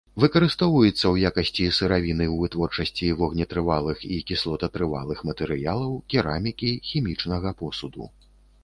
Выкарыстоўваецца ў якасці сыравіны ў вытворчасці вогнетрывалых і кіслотатрывалых матэрыялаў, керамікі, хімічнага посуду.